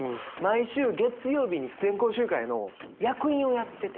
毎週月曜日に全校集会の役員をやってて。